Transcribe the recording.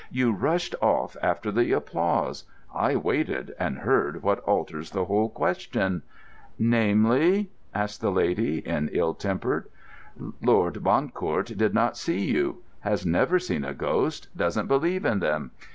"You rushed off after the applause: I waited, and heard what alters the whole question." "Namely——?" asked the Lady, in ill temper. "Lord Bancourt did not see you—has never seen a ghost—doesn't believe in them.